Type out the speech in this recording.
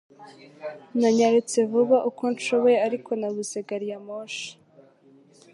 Nanyarutse vuba uko nshoboye, ariko nabuze gari ya moshi.